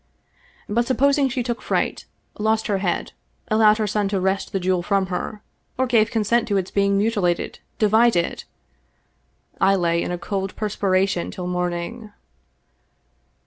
But supposing she took fright, lost her head, allowed her son to wrest the jewel from her, or gave consent to its being mutilated, divided ! I lay in a cold perspiration till morning.